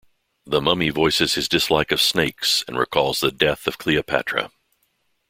The mummy voices his dislike of snakes and recalls the death of Cleopatra.